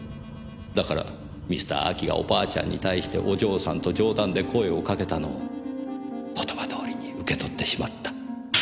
だからミスター・アキがおばあちゃんに対してお嬢さんと冗談で声をかけたのを言葉どおりに受け取ってしまった。